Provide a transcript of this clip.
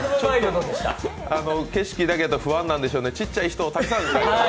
景色、だけど不安なんでしょうね、ちっちゃい人をたくさん描いて。